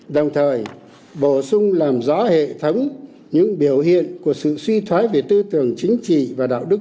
đồng thời bổ sung làm rõ hệ thống những biểu hiện của sự suy thoái về tư tưởng chính trị và đạo đức